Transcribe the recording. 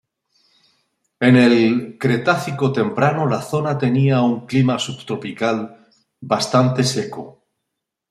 En el Cretácico temprano la zona tenía un clima subtropical bastante seco.